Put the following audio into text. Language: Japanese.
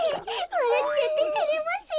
わらっちゃっててれますよ。